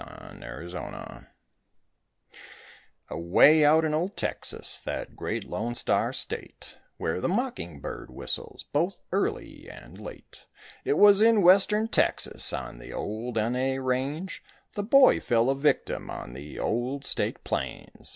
ONLY A COWBOY Away out in old Texas, that great lone star state, Where the mocking bird whistles both early and late; It was in Western Texas on the old N A range The boy fell a victim on the old staked plains.